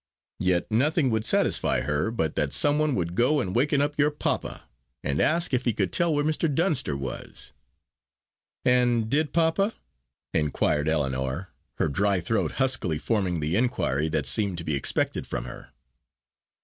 Yet nothing would satisfy her but that some one must go and waken up your papa, and ask if he could tell where Mr. Dunster was." "And did papa?" inquired Ellinor, her dry throat huskily forming the inquiry that seemed to be expected from her.